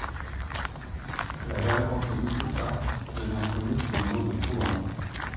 La valeur obtenue plus tard devint connue sous le nom de Coulomb.